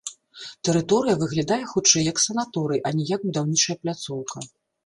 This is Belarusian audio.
Тэрыторыя выглядае, хутчэй, як санаторый, а не як будаўнічая пляцоўка.